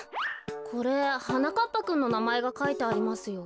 これはなかっぱくんのなまえがかいてありますよ。